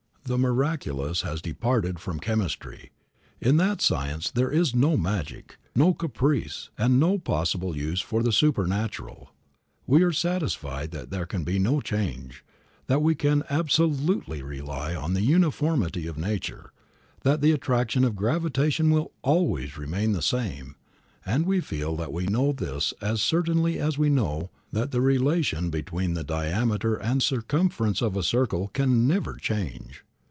The miraculous has departed from chemistry; in that science there is no magic, no caprice and no possible use for the supernatural. We are satisfied that there can be no change, that we can absolutely rely on the uniformity of nature; that the attraction of gravitation will always remain the same; and we feel that we know this as certainly as we know that the relation between the diameter and circumference of a circle can never change.